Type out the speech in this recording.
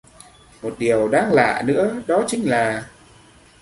Một điều đáng lạ nữa đó chính là